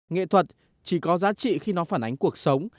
nghệ thuật chỉ có giá trị khi nó phản ánh cuộc sống